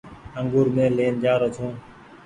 انگور مين لين جآ رو ڇو۔